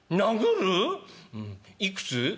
いくつ？」。